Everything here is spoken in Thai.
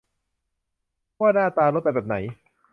ว่าหน้าตารถเป็นแบบไหน